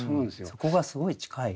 そこがすごい近い。